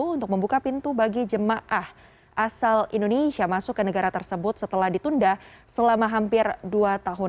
untuk membuka pintu bagi jemaah asal indonesia masuk ke negara tersebut setelah ditunda selama hampir dua tahun